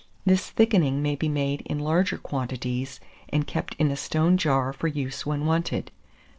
This thickening may be made in larger quantities, and kept in a stone jar for use when wanted.